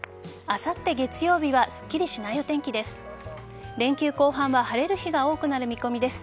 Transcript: あさって月曜日はすっきりしないお天気です。